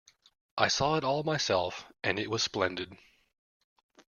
I saw it all myself, and it was splendid.